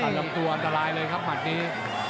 ลำตัวอันตรายเลยครับหมัดนี้